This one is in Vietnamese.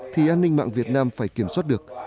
thì an ninh mạng việt nam phải kiểm soát được